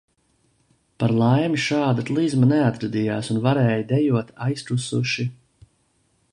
Par laimi šāda klizma neatgadījās un varēja dejot aizkusuši.